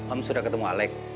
om sudah ketemu alec